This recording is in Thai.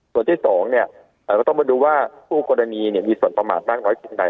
ส่วนที่สองเนี่ยก็ต้องมาดูว่าผู้กรณีเนี่ยมีส่วนประมาทมากน้อยเพียงใด